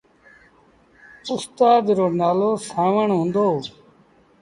اُستآد رو نآلو سآݩوڻ هُݩدو۔